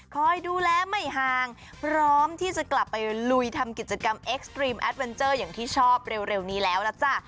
คอยดูแลไม่ห่างพร้อมที่จะกลับไปลุยทำกิจกรรมเอ็กซ์ตรีมแอดเวนเจอร์อย่างที่ชอบเร็วนี้แล้วล่ะจ้ะ